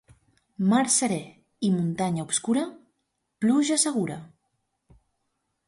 Mar serè i muntanya obscura, pluja segura.